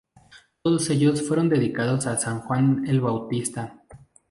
Todos ellos fueron dedicados a San Juan el Bautista.